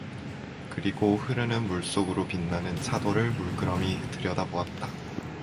그리고 흐르는 물 속으로 빛나는 차돌을 물끄러미 들여다보았다.